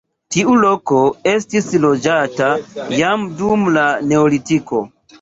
Tiu loko estis loĝata jam dum la neolitiko.